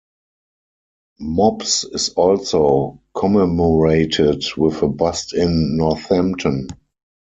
Mobbs is also commemorated with a bust in Northampton.